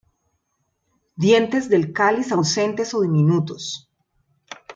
Dientes del cáliz ausentes o diminutos.